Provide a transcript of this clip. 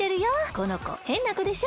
このこへんなこでしょ？